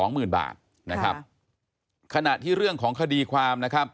๒หมื่นบาทขณะที่เรื่องของคดีความ